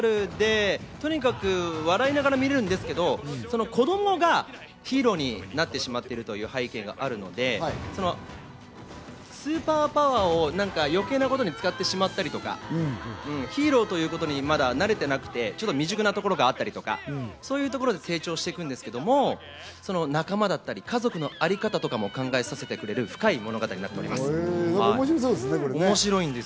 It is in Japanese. コミカルで、とにかく笑いながら見られるんですけど、子供がヒーローになってしまってるという背景があるので、スーパーパワーを余計なものに使ってしまったりとか、ヒーローということにまだ慣れてなくて未熟なところがあったりとか、そういうところで成長していくんですけど、仲間だったり家族のあり方とかも考えさせてくれる、深い物語です。